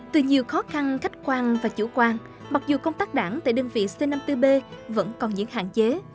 từ nhiều khó khăn khách quan và chủ quan mặc dù công tác đảng tại đơn vị c năm mươi bốn b vẫn còn những hạn chế